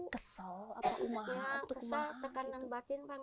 kesel tekanan batin pak